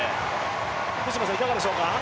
福島さん、いかがでしょうか？